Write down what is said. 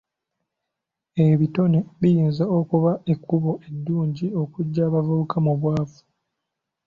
Ebitone liyinza okuba ekkubo eddungi okuggya abavubuka mu bwavu.